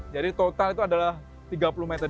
jadi total itu adalah tiga puluh meter